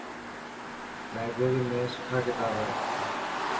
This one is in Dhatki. لائبريري ۾ سٺا ڪتاب هي.